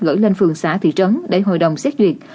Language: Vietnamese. gửi lên phường xã thị trấn để hội đồng xét duyệt